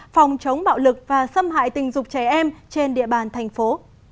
phòng chống bạo lực và xâm hại tình dục trẻ em trên địa bàn thành phố